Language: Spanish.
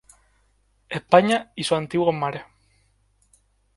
España y sus antiguos mares".